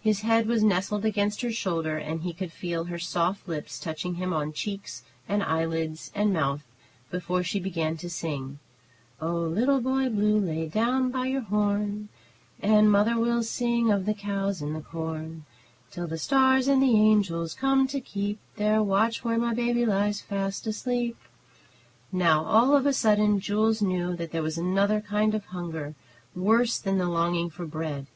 His head was nestled against her shoulder, and he could feel her soft lips touching him on cheeks and eyelids and mouth, before she began to sing: "Oh, little Boy Blue, lay by your horn, And mother will sing of the cows and the corn, Till the stars and the angels come to keep Their watch, where my baby lies fast asleep." Now all of a sudden Jules knew that there was another kind of hunger worse than the longing for bread.